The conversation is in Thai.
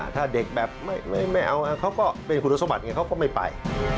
ถ้าเด็กแบบไม่เอาเขาก็เป็นคุณสมบัติไงเขาก็ไม่ไป